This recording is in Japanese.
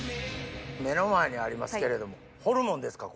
目の前にありますけれどもホルモンですか？